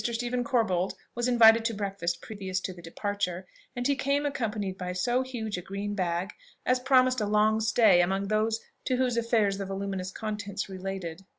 Stephen Corbold was invited to breakfast previous to the departure; and he came accompanied by so huge a green bag, as promised a long stay among those to whose affairs the voluminous contents related.